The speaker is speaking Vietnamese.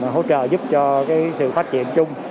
hỗ trợ giúp cho sự phát triển chung